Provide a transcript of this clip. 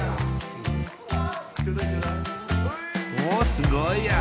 おすごいや！